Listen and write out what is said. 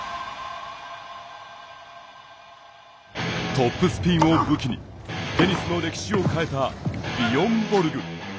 トップスピンを武器にテニスの歴史を変えたビヨン・ボルグ。